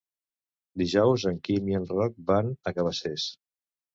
Dijous en Quim i en Roc van a Cabacés.